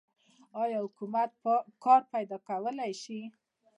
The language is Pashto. آیا حکومت کار پیدا کولی شي؟